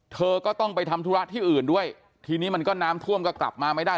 เธอก็ต้องไปทำธุระที่อื่นด้วยทีนี้มันก็น้ำท่วมก็กลับมาไม่ได้